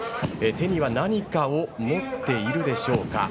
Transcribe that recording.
手には何かを持っているでしょうか。